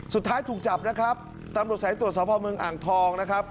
สุดท้ายถูกจับนะครับตำรวจสายตรวจสภาพเมืองอ่างทองนะครับ